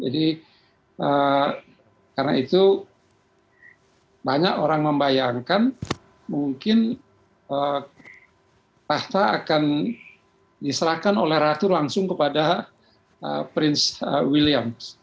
jadi karena itu banyak orang membayangkan mungkin tahta akan diserahkan oleh ratu langsung kepada prince william